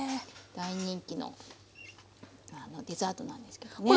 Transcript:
大人気のデザートなんですけどね。